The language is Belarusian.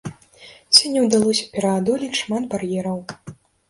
Сёння ўдалося пераадолець шмат бар'ераў.